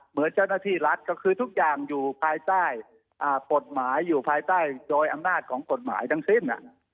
เหมือนเจ้าหน้าที่รัฐก็คือทุกอย่างอยู่ภายใต้กฎหมายอยู่ภายใต้โดยอำนาจของกฎหมายทั้งสิ้น